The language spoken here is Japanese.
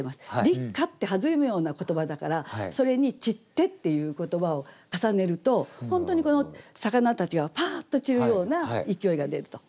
「立夏」って弾むような言葉だからそれに「散つて」っていう言葉を重ねると本当に魚たちがぱっと散るような勢いが出ると。